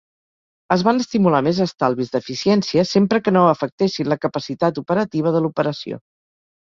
Es van estimular més estalvis d'eficiència sempre que no afectessin la capacitat operativa de l'operació.